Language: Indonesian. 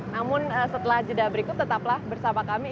namun setelah jeda berikut tetaplah bersama kami